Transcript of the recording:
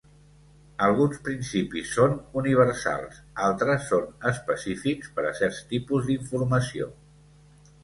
Alguns principis són universals, altres són específics per a certs tipus d'informació.